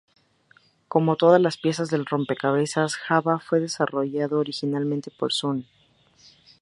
Como todas las piezas del rompecabezas Java, fue desarrollado originalmente por Sun.